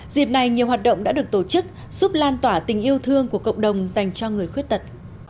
dịp này nhiều hoạt động đã được tổ chức giúp lan tỏa tình yêu thương của cộng đồng dành cho người khuyết tật